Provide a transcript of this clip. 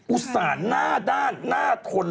อุสานน่าด้านน่าทน